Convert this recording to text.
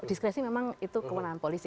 diskresi memang itu kewenangan polisi